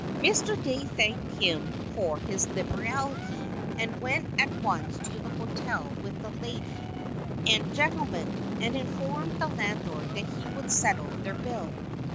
Mr. Dey thanked him for his liberality, and went at once to the hotel with the lady and gentleman, and informed the landlord that he would settle their bill.